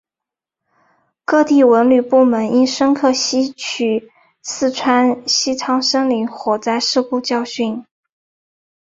各地文旅部门应深刻吸取四川西昌森林火灾事故教训